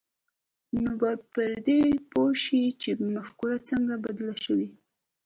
نو به پر دې پوه شئ چې مفکورې څنګه بدلې شوې